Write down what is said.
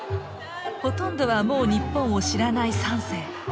ほとんどはもう日本を知らない３世。